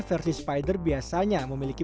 versi spider biasanya memiliki